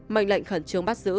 mệnh lệnh khẩn trương bắt giữ